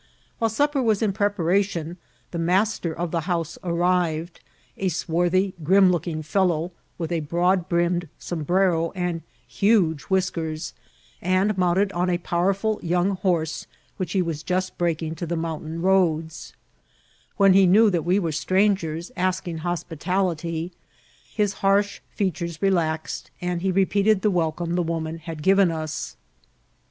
While suf^r was in preparation the master of the house arrived, a swar thy, grim*looking fellow, with a broad brimmed som brero and huge Whiskers, and mounted on a powerful young horse, which he was just breaking to the mount ain roads ; when he knew that we were strangers ask ing hospitality, his harsh features relaxed, and he re* peated the welcome the woman had given us.